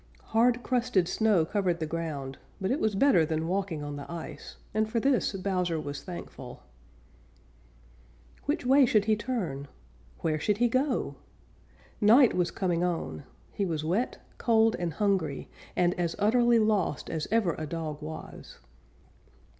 Hard crusted snow covered the ground, but it was better than walking on the ice and for this Bowser was thankful. Which way should he turn? Where should he go? Night was coming on; he was wet, cold and hungry, and as utterly lost as ever a dog was.